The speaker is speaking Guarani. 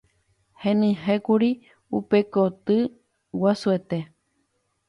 Henyhẽkuri upe koty guasuete.